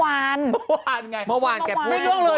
เมื่อวานเมื่อวานไงเมื่อวานแกพูดไม่เรื่องเลย